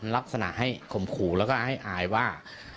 ลักษณะให้ข่มขู่แล้วก็ให้อายว่า